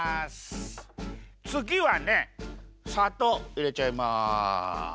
つぎはねさとういれちゃいます。